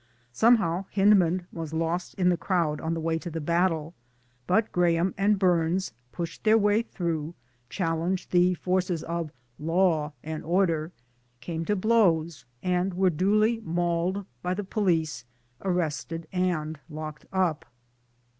Somehow Hyndman was lost in the crowd on the way to the battle, but Graham and Burns pushed their way through, challenged the 354 LONDON, AND LECTURES 255 forces of * Law and Order/ carrie to blows, and were duly mauled by the police, arrested, and locked up.